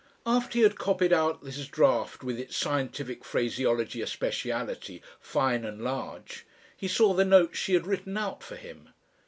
After he had copied out his draft with its "Scientific phraseology a speciality," fine and large, he saw the notes she had written out for him.